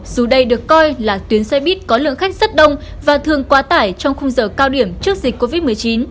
dù đây được coi là tuyến xe buýt có lượng khách rất đông và thường quá tải trong khung giờ cao điểm trước dịch covid một mươi chín